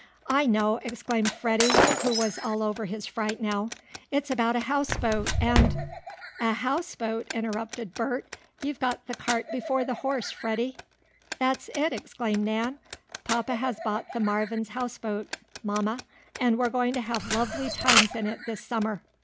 "I know!" exclaimed Freddie, who was all over his fright now. "It's about a boathouse and " "A houseboat!" interrupted Bert. "You've got the cart before the horse, Freddie." "That's it!" exclaimed Nan. "Papa has bought the Marvin's houseboat, Mamma, and we're going to have lovely times in it this summer."